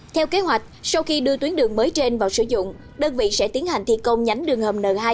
theo kế hoạch sau khi đưa tuyến đường mới trên vào sử dụng đơn vị sẽ tiến hành thi công nhánh đường hầm n hai